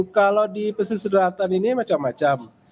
kalau di pesisir selatan ini macam macam